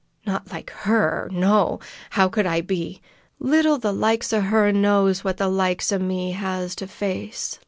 Not like her. No! How could I be? Little the likes o' her knows what the likes o' me has to face!